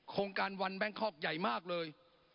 โครงการวันแบงคอกใหญ่มากเลย